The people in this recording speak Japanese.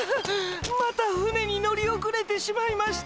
ふねに乗り遅れてしまいました。